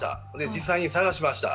実際に捜しました。